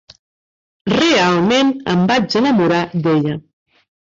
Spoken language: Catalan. Realment em vaig enamorar d'ella.